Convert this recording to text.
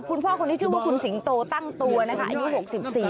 คุณพ่อที่ชื่อว่าคุณศิงโตตั้งตัวนะคะอายุ๖๔ปี